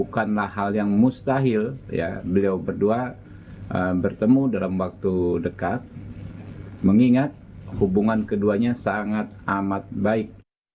bukanlah hal yang mustahil beliau berdua bertemu dalam waktu dekat mengingat hubungan keduanya sangat amat baik